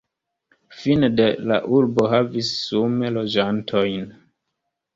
Fine de la urbo havis sume loĝantojn.